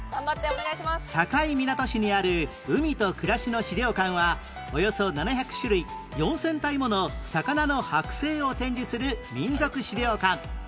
境港市にある海とくらしの史料館はおよそ７００種類４０００体もの魚のはく製を展示する民俗資料館